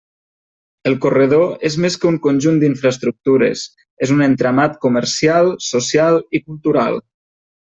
El corredor és més que un conjunt d'infraestructures: és un entramat comercial, social i cultural.